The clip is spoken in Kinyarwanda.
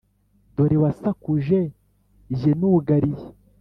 Dore wasakuje jye nugaliye